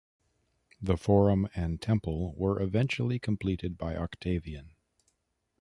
The Forum and Temple were eventually completed by Octavian.